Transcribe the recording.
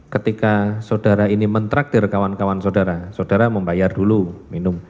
ketika saudara ini mentraktir kawan kawan saudara saudara membayar dulu minum